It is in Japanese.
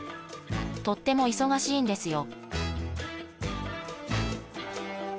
とっても忙しいんですよ